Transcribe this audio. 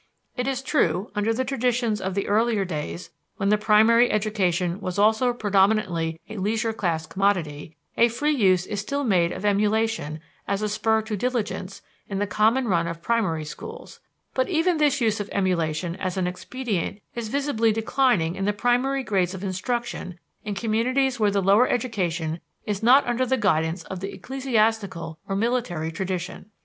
It is true, under the traditions of the earlier days, when the primary education was also predominantly a leisure class commodity, a free use is still made of emulation as a spur to diligence in the common run of primary schools; but even this use of emulation as an expedient is visibly declining in the primary grades of instruction in communities where the lower education is not under the guidance of the ecclesiastical or military tradition.